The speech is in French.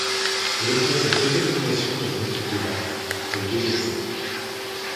Il obtient sa deuxième nomination dans une équipe de la ', le deuxième cinq.